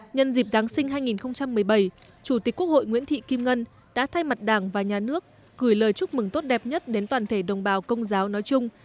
nhân dịp giáng sinh hai nghìn một mươi bảy chủ tịch quốc hội nguyễn thị kim ngân đã thay mặt đảng và nhà nước gửi lời chúc mừng tốt đẹp nhất đến toàn thể đồng bào công giáo nói chung